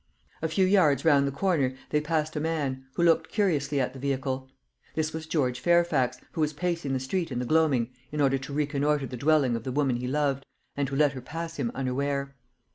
A few yards round the corner they passed a man, who looked curiously at the vehicle. This was George Fairfax, who was pacing the street in the gloaming in order to reconnoitre the dwelling of the woman he loved, and who let her pass him unaware.